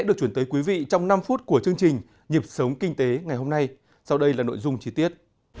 đây là năm phút của chương trình nhịp sống kinh tế ngày hôm nay sau đây là nội dung chi tiết